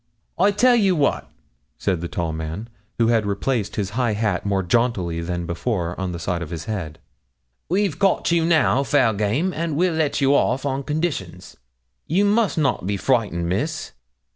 'I tell you what,' said the tall man, who had replaced his high hat more jauntily than before on the side of his head, 'We've caught you now, fair game, and we'll let you off on conditions. You must not be frightened, Miss.